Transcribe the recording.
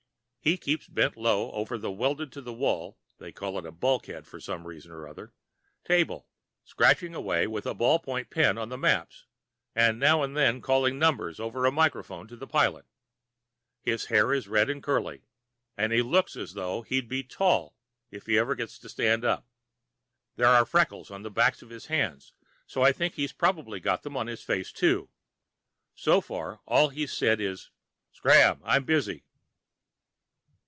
He keeps bent low over a welded to the wall (they call it the bulkhead, for some reason or other) table, scratching away with a ballpoint pen on the maps, and now and then calling numbers over a microphone to the pilot. His hair is red and curly, and he looks as though he'd be tall if he ever gets to stand up. There are freckles on the backs of his hands, so I think he's probably got them on his face, too. So far, all he's said is, "Scram, I'm busy."